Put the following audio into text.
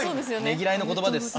ねぎらいの言葉です。